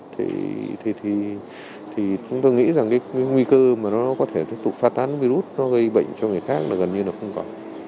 thế thì chúng tôi nghĩ rằng cái nguy cơ mà nó có thể tiếp tục phát tán virus nó gây bệnh cho người khác là gần như là không còn